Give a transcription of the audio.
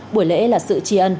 buổi lễ là sự trì ẩn